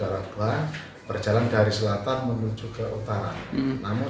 ada pembongkaran tenda hajatan